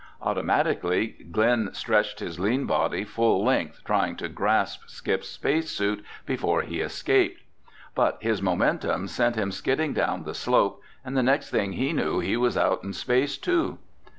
Automatically, Glen stretched his lean body full length trying to grasp Skip's space suit before he escaped. But his momentum sent him skidding down the slope and the next thing he knew he was out in space, too.